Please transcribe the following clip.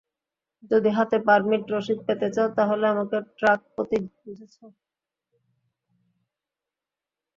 যদি হাতে পারমিট রশিদ পেতে চাও তাহলে আমাকে ট্রাকপ্রতি বুঝেছ?